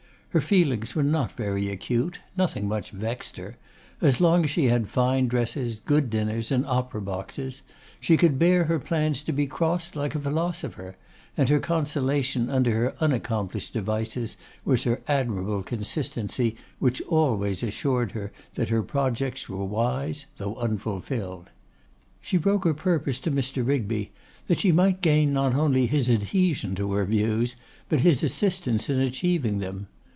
Her feelings were not very acute; nothing much vexed her. As long as she had fine dresses, good dinners, and opera boxes, she could bear her plans to be crossed like a philosopher; and her consolation under her unaccomplished devices was her admirable consistency, which always assured her that her projects were wise, though unfulfilled. She broke her purpose to Mr. Rigby, that she might gain not only his adhesion to her views, but his assistance in achieving them.